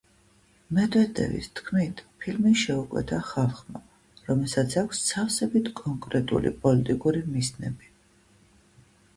მედვედევის თქმით, ფილმი შეუკვეთა „ხალხმა, რომელსაც აქვს სავსებით კონკრეტული პოლიტიკური მიზნები“.